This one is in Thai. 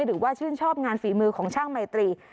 หรือว่าชื่นชอบงานฝีมือของช่างไมตรี